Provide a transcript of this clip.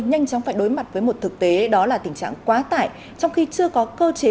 nhanh chóng phải đối mặt với một thực tế đó là tình trạng quá tải trong khi chưa có cơ chế